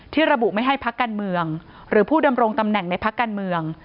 ระบุไม่ให้พักการเมืองหรือผู้ดำรงตำแหน่งในพักการเมือง